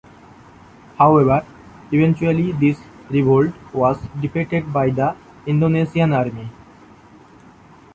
However, eventually this revolt was defeated by the Indonesian Army.